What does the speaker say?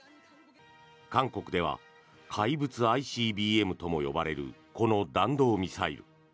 韓国では怪物ＩＣＢＭとも呼ばれるこの弾道ミサイル。